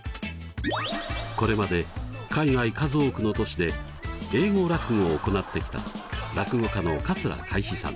これまで海外数多くの都市で英語落語を行ってきた落語家の桂かい枝さん。